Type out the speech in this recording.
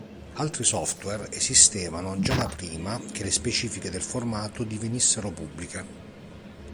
Altri software esistevano già da prima che le specifiche del formato divenissero pubbliche.